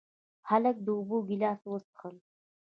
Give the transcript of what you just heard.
هلک د اوبو ګیلاس وڅښله.